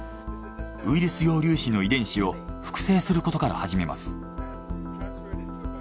ウイルス様粒子の遺伝子を複製することから始めます。